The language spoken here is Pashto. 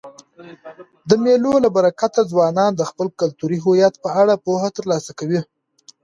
د مېلو له برکته ځوانان د خپل کلتوري هویت په اړه پوهه ترلاسه کوي.